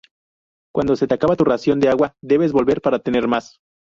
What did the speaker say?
Cuando se te acaba tu ración de agua, debes volver para tener más.